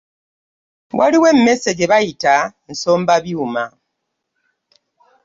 Waliwo emmeese gye bayita nsomba byuma.